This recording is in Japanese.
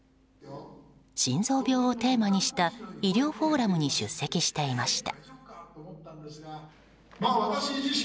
心臓病をテーマにした医療フォーラムに出席していました。